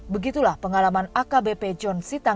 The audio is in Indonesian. begitulah pengalaman akbp john sitang